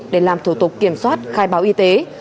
để làm thủ tục kiểm soát khai báo y tế